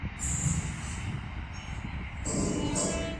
هغې سخت رژیم تعقیب کاوه او تمرینونه یې کول.